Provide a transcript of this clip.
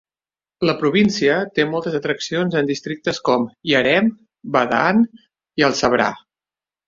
La província té moltes atraccions en districtes com Yareem, Ba'dan i Al-Sabrah.